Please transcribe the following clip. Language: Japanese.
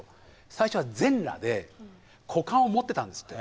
最初は全裸で股間を持ってたんですって。